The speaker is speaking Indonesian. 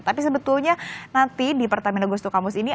tapi sebetulnya nanti di pertamina ghost to campus ini